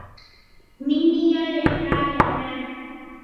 மின்னியல் என்றால் என்ன?